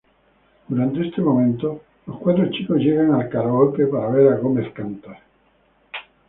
Durante este momento, los cuatro chicos llegan al karaoke para ver a Gomez cantar.